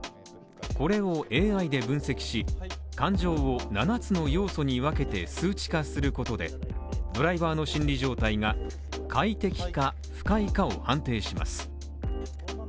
これをＡＩで分析し、感情を、七つの要素に分けて数値化することでドライバーの心理状態が快適か不快かを判定します。